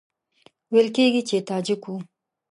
ویل کېږي چې تاجک وو.